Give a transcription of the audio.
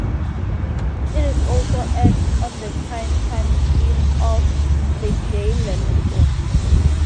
It also aired on the prime-time spin-off "The Jay Leno Show".